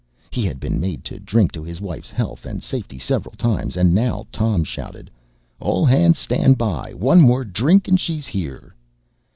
He had been made to drink his wife's health and safety several times, and now Tom shouted: "All hands stand by! One more drink, and she's here!"